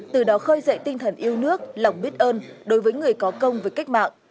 từ đó khơi dậy tinh thần yêu nước lòng biết ơn đối với người có công với cách mạng